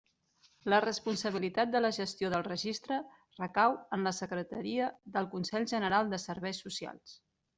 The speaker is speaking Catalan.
La responsabilitat de la gestió del registre recau en la secretaria del Consell General de Serveis Socials.